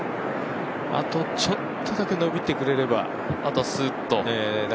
あとちょっとだけ伸びてくれれば、あとはスーッと。